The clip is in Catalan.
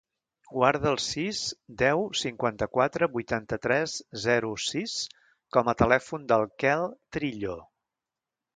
Guarda el sis, deu, cinquanta-quatre, vuitanta-tres, zero, sis com a telèfon del Quel Trillo.